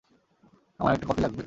আমার একটা কফি লাগবে।